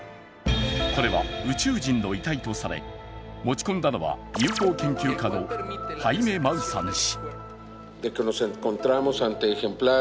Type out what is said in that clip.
これは、宇宙人の遺体とされ持ち込んだのはＵＦＯ研究家のハイメ・マウサン氏。